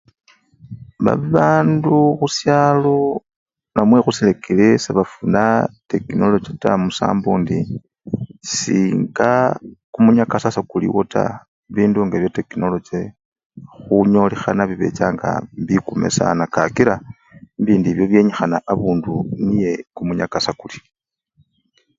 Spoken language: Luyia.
Babandu khusyalo namwe khusirekere sebafuna tekinologi taa musambo indi singa kumunyakasa sekuliwo taa, bindu nga bya tekinolochi khunyolikhana bibechanga bikume sana kakila bibindu ebyo byenyikhana abundu niye kumunyakasa kuli.